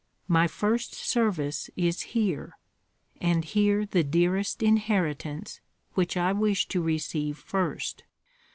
My first service is here; and here the dearest inheritance, which I wish to receive first.